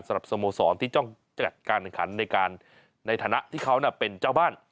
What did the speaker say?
สำหรับสโมสรที่ต้องจัดการหนังขันในฐานะที่เขาเป็นเจ้าบ้าน